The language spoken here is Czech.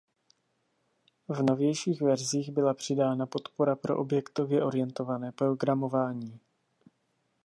V novějších verzích byla přidána podpora pro objektově orientované programování.